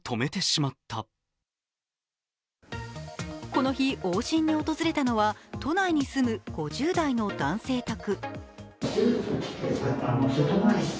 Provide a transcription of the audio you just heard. この日、往診に訪れたのは都内に生む５０代の男性宅。